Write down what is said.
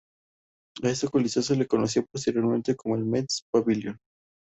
A este coliseo se le conocía anteriormente como el Mets Pavilion.